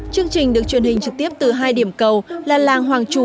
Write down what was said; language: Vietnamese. chương trình được truyền hình trực tiếp từ hai điểm cầu là làng hoàng trù